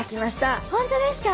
本当ですか。